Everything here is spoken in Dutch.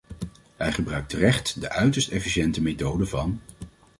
Hij gebruikt terecht de uiterst efficiënte methode van .